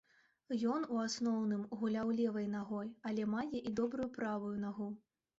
Ён, у асноўным, гуляў левай нагой, але мае і добрую правую нагу.